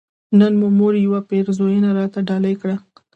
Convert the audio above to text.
نن مې مور يوه پيرزوينه راته ډالۍ کړه